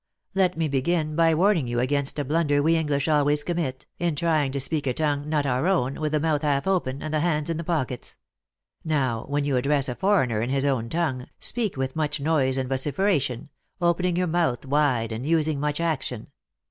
Let me begin by warning you against a blunder we English always commit, in trying to speak a tongue not our own, with the mouth half open, and the hands in the pockets. Now, when you address a foreigner in his own tongue, speak with much noise and vociferation, open ing your mouth wide and using much action.